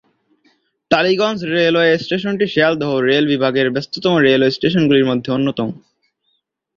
Tollygunge railway স্টেশনটি Sealdah rail বিভাগের ব্যস্ততম রেলওয়ে স্টেশনগুলির মধ্যে অন্যতম।